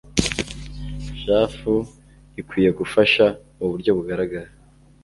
jadf ikwiye gufasha mu buryo bugaragara